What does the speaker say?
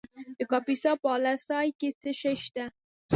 د کاپیسا په اله سای کې څه شی شته؟